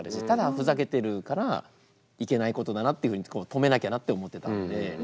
ただふざけてるからいけないことだなっていうふうに止めなきゃなって思ってたんで。